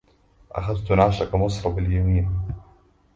أخذت نعشك مصر باليمين